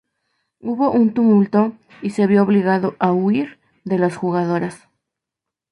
Hubo un tumulto y se vio obligado a huir de las jugadoras.